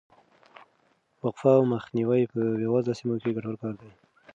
وقفه او مخنیوی په بې وزله سیمو کې ګټور کار دی.